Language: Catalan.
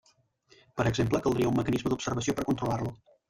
Per exemple, caldria un mecanisme d'observació per controlar-lo.